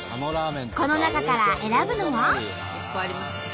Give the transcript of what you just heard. この中から選ぶのは。